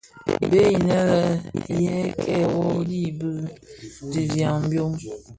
Bèè inë yê kêê wôôgh i digsigha byôm.